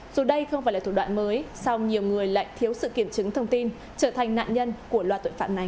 dù đây không phải là thủ đoạn mới song nhiều người lại thiếu sự kiểm chứng thông tin trở thành nạn nhân của loạt tội phạm này